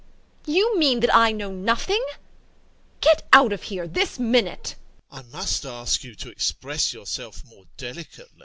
You mean that I know nothing? Get out of here! This minute! EPIKHODOV. [Nervous] I must ask you to express yourself more delicately.